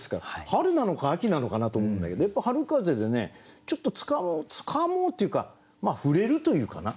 春なのか秋なのかなと思うんだけどやっぱ春風でねちょっとつかもうというか触れるというかな。